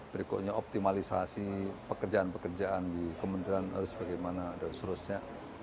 berikutnya optimalisasi pekerjaan pekerjaan di kementerian harus bagaimana dan seterusnya